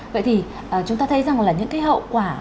vậy thì chúng ta thấy rằng là những cái hậu quả